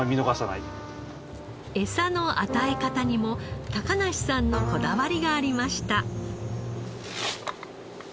エサの与え方にも梨さんのこだわりがありました。